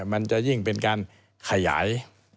มันจะยิ่งเป็นการขยาย